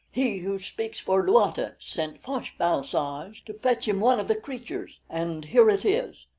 He Who Speaks for Luata sent Fosh bal soj to fetch him one of the creatures, and here it is.